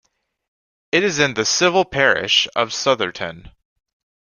It is in the civil parish of Sotherton.